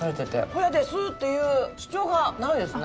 「ホヤです！」っていう主張がないですね。